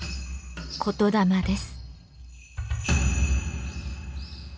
言霊です。